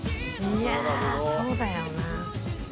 いやあそうだよな。